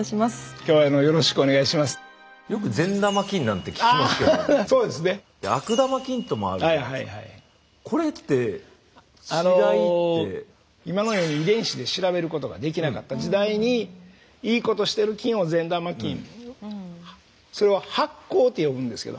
今のように遺伝子で調べることができなかった時代にいいことしてる菌を善玉菌それを発酵と呼ぶんですけど。